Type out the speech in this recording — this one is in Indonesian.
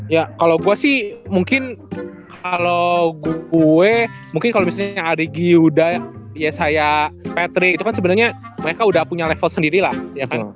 ya kalo gua sih mungkin kalo gue mungkin kalo misalnya adegi udah ya saya patrick itu kan sebenernya mereka udah punya level sendiri lah ya kan